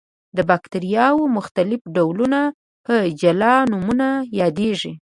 د باکتریاوو مختلف ډولونه په جلا نومونو یادیږي.